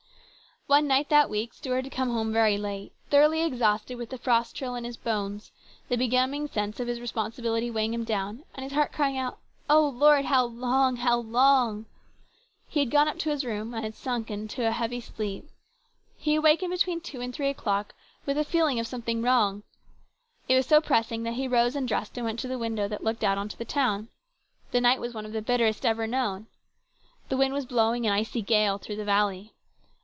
One night that week Stuart had come home very late, thoroughly exhausted with the frost chill in his bones, the benumbing sense of his responsibility weighing him down, and his heart crying out, " O Lord, how long ! how long !" He had gone up to his room and had sunk into a heavy sleep. He awakened between two and three o'clock with a feeling of something wrong. It was so pressing that he rose and dressed and went to the window that looked out on the town. The night was one of the bitterest ever known. The wind was blowing an icy gale through the valley.